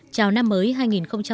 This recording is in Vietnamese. chào năm mới hai nghìn một mươi bảy